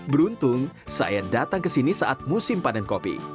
beruntung saya datang ke sini saat musim panen kopi